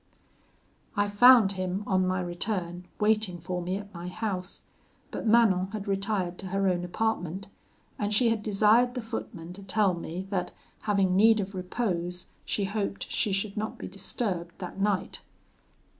"I found him, on my return, waiting for me at my house; but Manon had retired to her own apartment, and she had desired the footman to tell me that, having need of repose, she hoped she should not be disturbed that night.